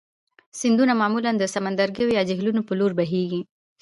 سیندونه معمولا د سمندرګیو یا جهیلونو په لوري بهیږي.